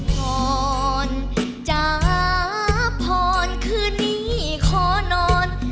ผ่อนจ้าผ่อนคืนนี้ขอนอน